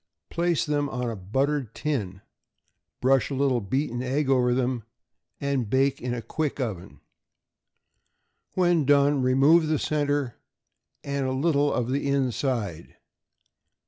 Place them on a buttered tin, brush a little beaten egg over them, and bake in a quick oven. When done, remove the centre and a little of the inside.